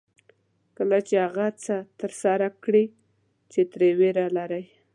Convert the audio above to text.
کله چې هغه څه ترسره کړئ چې ترې وېره لرئ.